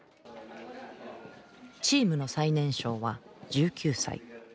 チームの最年少は１９歳。